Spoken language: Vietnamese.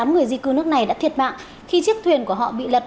tám người di cư nước này đã thiệt mạng khi chiếc thuyền của họ bị lật